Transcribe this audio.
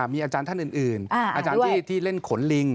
มีอาจารย์ท่านอื่นอาจารย์ที่เล่นขนลิง